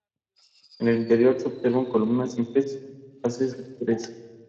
Ha escrito más de cuarenta novelas y relatos cortos.